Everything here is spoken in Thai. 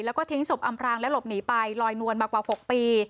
แล้วก็ทิ้งศพอำพรางและหลบหนีไปลอยนวลมากว่า๖ปี